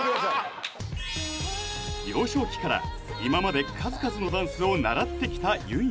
ハハハハ幼少期から今まで数々のダンスを習ってきたゆん